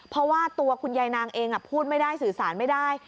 เพราะว่าตัวคุณยายนางเองพูดไม่ได้สื่อสารไม่ได้